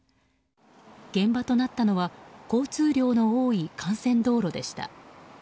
現場となったのは交通量の多い幹線道路でした。